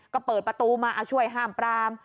ก็เปิดประตูมาช่วยห้ามปราม